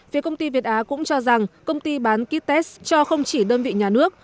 phía công ty việt á cũng cho rằng công ty bán ký test cho không chỉ đơn vị nhà nước